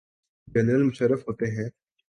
General Musharraf ہوتے ہیں۔